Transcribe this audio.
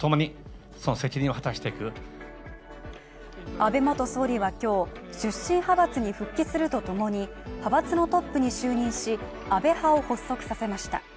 安倍元総理は今日、出身派閥に復帰するとともに、派閥のトップに就任し安倍派を発足させました。